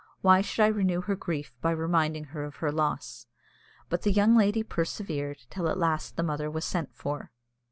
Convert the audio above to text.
Why should I renew her grief by reminding her of her loss?" But the young lady persevered, till at last the mother was sent for.